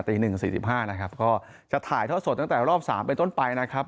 ตีหนึ่งสี่สิบห้านะครับก็จะถ่ายทอดสดตั้งแต่รอบสามไปต้นไปนะครับ